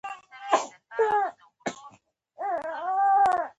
خور د وینا له ادب سره اشنا ده.